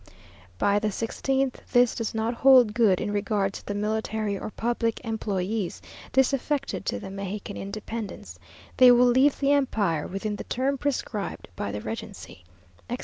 By the sixteenth, this does not hold good in regard to the military or public employés disaffected to the Mexican independence; they will leave the empire within the term prescribed by the regency, etc.